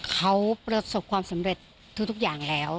เขาประสบความสำเร็จทุกอย่างแล้ว